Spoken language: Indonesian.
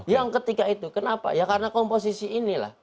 yang ketika itu kenapa ya karena komposisi inilah